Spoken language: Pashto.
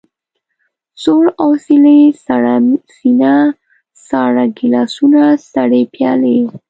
سوړ اسوېلی، سړه سينه، ساړه ګيلاسونه، سړې پيالې.